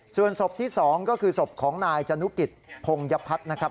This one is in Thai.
ส่วนศพที่๒ก็คือศพของนายจนุกิจพงยพัฒน์นะครับ